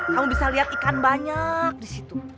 kamu bisa lihat ikan banyak di situ